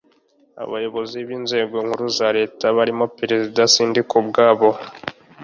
abayobozi b inzego nkuru za leta barimo perezida sindikubwabo